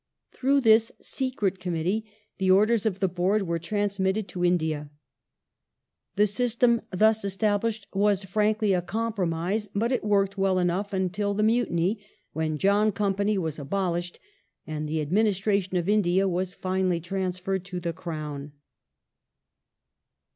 Through this Secret Committee the orders of the Board were transmitted to India. The system thus established was frankly a compromise, but it worked well enough until the Mutiny, when John Company was abolished, and the administration of India was finally transferred to the Crown.